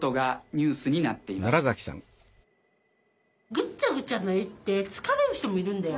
ぐっちゃぐちゃな絵って疲れる人もいるんだよ。